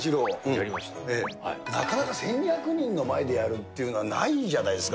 なかなか１２００人の前でやるっていうのはないんじゃないですか？